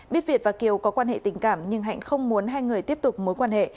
biết việt và kiều có quan hệ tình cảm nhưng hạnh không muốn hai người tiếp tục mối quan hệ